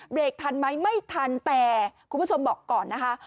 ทันไหมไม่ทันแต่คุณผู้ชมบอกก่อนนะคะ